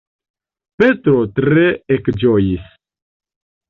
Petro tre ekĝojis!